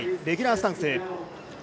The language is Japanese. レギュラースタンス。